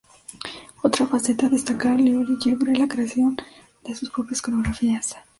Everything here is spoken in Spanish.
Otra faceta a destacar de Igor Yebra es la creación de sus propias coreografías.